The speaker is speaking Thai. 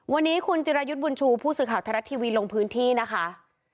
วันนี้คุณจิรายุทธ์บุญชูผู้สื่อข่าวไทยรัฐทีวีลงพื้นที่นะคะ